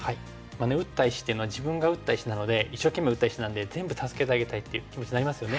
打った石っていうのは自分が打った石なので一生懸命打った石なんで全部助けてあげたいっていう気持ちになりますよね。